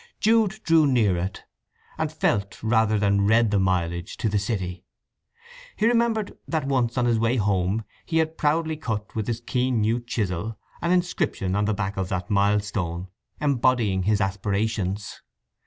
Jude drew near it, and felt rather than read the mileage to the city. He remembered that once on his way home he had proudly cut with his keen new chisel an inscription on the back of that milestone, embodying his aspirations.